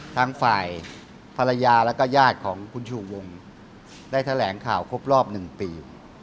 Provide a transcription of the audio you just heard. ทางฝ่ายภรรยาแล้วก็ญาติของคุณชูวงได้แถลงข่าวครบรอบ๑ปี